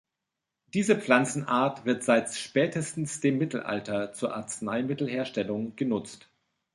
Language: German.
Diese Pflanzenart wird seit spätestens dem Mittelalter zur Arzneimittelherstellung genutzt.